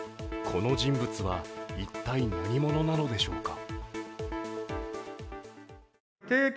この人物は一体、何者なのでしょうか。